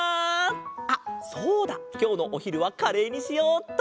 あっそうだきょうのおひるはカレーにしようっと。